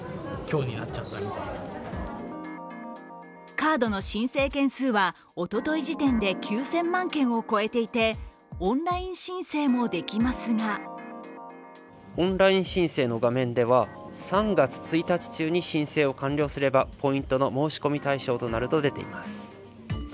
カードの申請件数はおととい時点で９０００万件を超えていてオンライン申請もできますがオンライン申請の画面では３月１日中に申請を完了すればポイントの申し込み対象となると出ています。